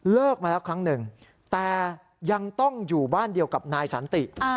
มาแล้วครั้งหนึ่งแต่ยังต้องอยู่บ้านเดียวกับนายสันติ